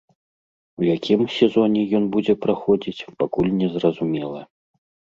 У якім сезоне ён будзе праходзіць, пакуль незразумела.